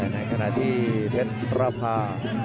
ในขณะที่เพชรประพา